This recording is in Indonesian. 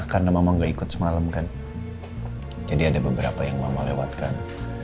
karena mama nggak ikut semalam kan jadi ada beberapa yang mama lewatkan